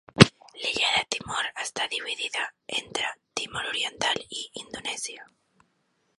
L'illa de Timor està dividida entre Timor Oriental i Indonèsia.